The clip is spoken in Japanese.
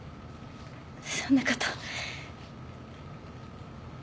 そんなこと。